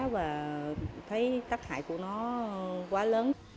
và thấy tác hại của nó quá lớn